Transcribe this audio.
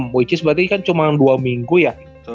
which is berarti kan cuma dua minggu ya